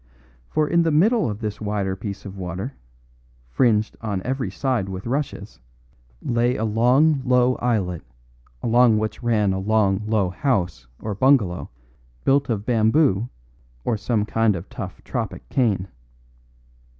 For in the middle of this wider piece of water, fringed on every side with rushes, lay a long, low islet, along which ran a long, low house or bungalow built of bamboo or some kind of tough tropic cane.